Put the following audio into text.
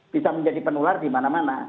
bisa menjadi penular dimana mana